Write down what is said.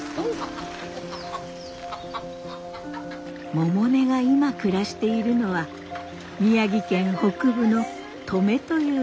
百音が今暮らしているのは宮城県北部の登米という所です。